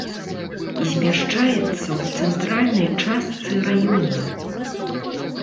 Змяшчаецца ў цэнтральнай частцы раёна.